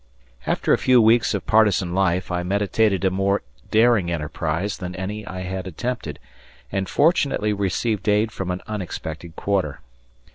After a few weeks of partisan life, I meditated a more daring enterprise than any I had attempted and fortunately received aid from an unexpected quarter.